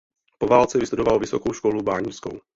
Po válce vystudoval Vysokou školu báňskou.